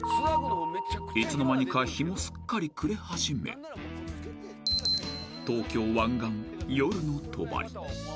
［いつの間にか日もすっかり暮れ始め東京湾岸夜のとばり］